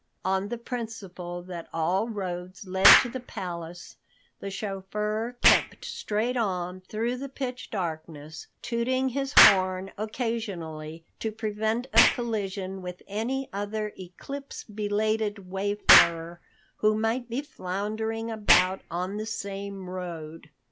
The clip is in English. On the principle that all roads led to the palace, the chauffeur kept straight on through the pitch darkness, tooting his horn occasionally to prevent a collision with any other eclipse belated wayfarer who might be floundering about on the same road.